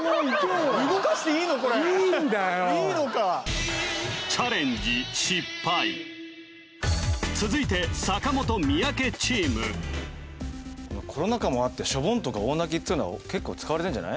いいのか続いて坂本三宅チームコロナ禍もあってしょぼんとか大泣きっていうのは結構使われてんじゃない？